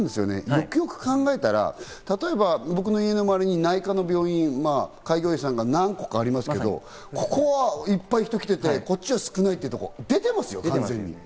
よくよく考えたら僕の家の周りに例えば開業医さんが何個かありますけど、ここいっぱい人来てて、こっちは少ないっていうところ出てますよ、完全に。